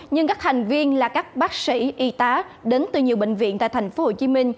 nhưng các thành viên là các bác sĩ y tá đến từ nhiều bệnh viện tại tp hcm